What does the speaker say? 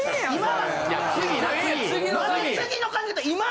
今！